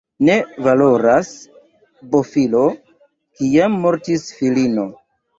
Ne valoras bofilo, kiam mortis filino.